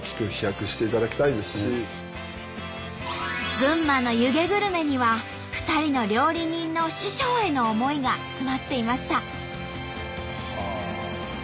群馬の湯気グルメには２人の料理人の師匠への思いが詰まっていました。